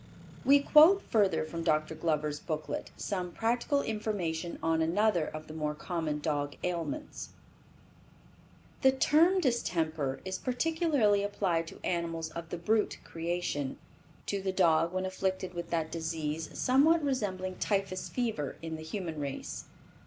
We quote further from Dr. Glover's booklet, some practical information on another of the more common dog ailments: The term distemper is particularly applied to animals of the brute creation; to the dog when afflicted with that disease somewhat resembling typhus fever in the human race.